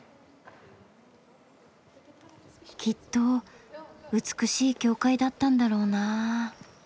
きっと美しい教会だったんだろうなぁ。